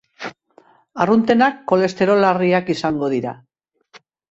Arruntenak kolesterol harriak izango dira.